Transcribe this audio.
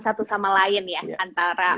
satu sama lain ya antara